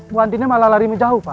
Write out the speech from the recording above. bu antinya malah lari menjauh pak